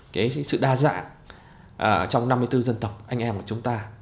cái sự đa dạng trong năm mươi bốn dân tộc anh em của chúng ta